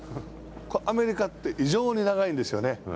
アメリカって異常に長いんですよね。